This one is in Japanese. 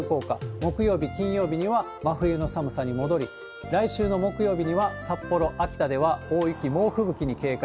木曜日、金曜日には真冬の寒さに戻り、来週の木曜日には、札幌、秋田では大雪、猛吹雪に警戒。